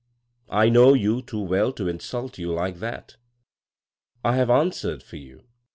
I know you too well to insult you like that. I have answered for you.